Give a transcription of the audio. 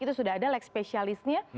itu sudah ada leg spesialisnya